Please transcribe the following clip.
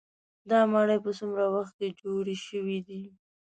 دا ماڼۍ په څومره وخت کې جوړې شوې وي.